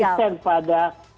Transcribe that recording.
mau konsisten pada